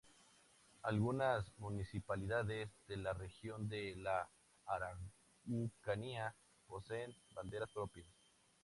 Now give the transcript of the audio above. Algunas municipalidades de la Región de la Araucanía poseen banderas propias.